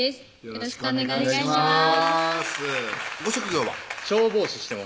よろしくお願いしますご職業は？